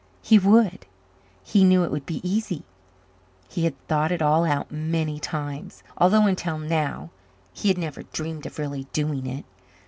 He would! He knew it would be easy. He had thought it all out many times, although until now he had never dreamed of really doing it.